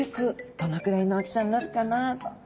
どのくらいの大きさになるかなと。